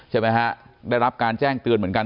ใช่ไหมฮะได้รับการแจ้งเตือนเหมือนกัน